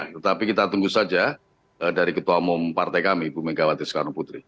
tetapi kita tunggu saja dari ketua umum partai kami bu mega watiskanoputri